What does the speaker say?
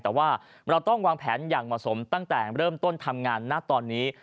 แต่ว่าเราต้องวางแผนอย่างเหมาะสมตั้งแต่เริ่มต้นทำงานณตอนนี้